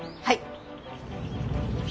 はい！